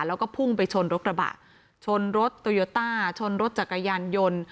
แล้วก็พุ่งไปชนรถกระบะชนรถโตโยต้าชนรถจักรยานยนต์